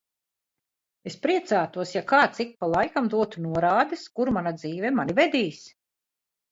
Es priecātos, ja kāds ik pa laikam dotu norādes, kur mana dzīve mani vedīs.